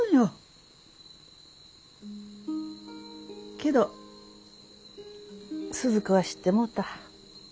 けどスズ子は知ってもうた。